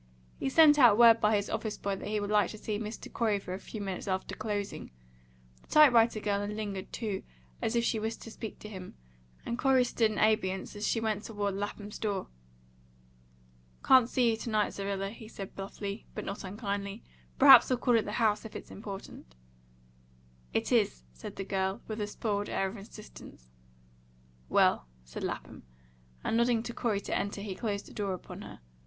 He sent out word by his office boy that he would like to see Mr. Corey for a few minutes after closing. The type writer girl had lingered too, as if she wished to speak with him, and Corey stood in abeyance as she went toward Lapham's door. "Can't see you to night, Zerrilla," he said bluffly, but not unkindly. "Perhaps I'll call at the house, if it's important." "It is," said the girl, with a spoiled air of insistence. "Well," said Lapham, and, nodding to Corey to enter, he closed the door upon her.